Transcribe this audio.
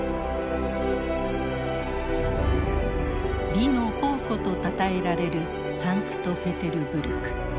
美の宝庫とたたえられるサンクトペテルブルク。